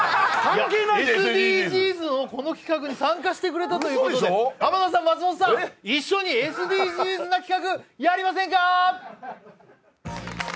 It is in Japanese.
ＳＤＧｓのこの企画に参加してくれたということで、浜田さん、松本さん、一緒にＳＤＧｓな企画、やりませんか？